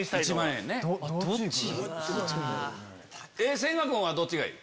千賀君はどっちがいい？